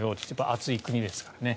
暑い国ですからね。